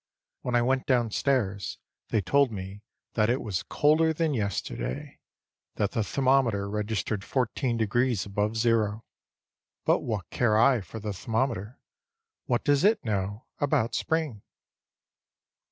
When I went downstairs they told me that it was colder than yesterday; that the thermometer registered 14 degrees above zero. But what care I for the thermometer? What does it know about spring?